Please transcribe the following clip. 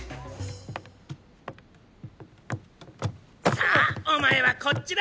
さあお前はこっちだ。